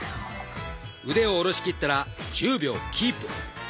腕を下ろしきったら１０秒キープ。